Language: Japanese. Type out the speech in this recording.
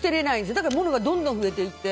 だから物がどんどん増えていって。